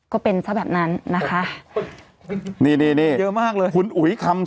ก็เป็นซะแบบนั้นนะคะ